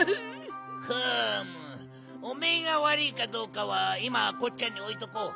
ふむおめえがわるいかどうかはいまはこっちゃにおいとこう。